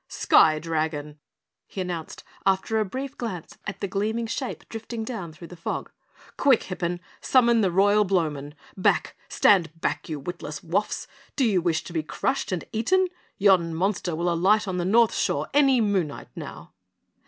"Skydragon!" he announced, after a brief glance at the gleaming shape drifting down through the fog. "Quick Hippen! Summon the Royal Blowmen! Back, stand back, you witless woffs! Do you wish to be crushed and eaten? Yon monster will alight on the North shore any moonite now!"